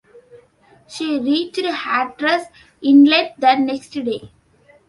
She reached Hatteras Inlet the next day.